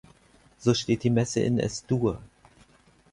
So steht die Messe in Es-Dur.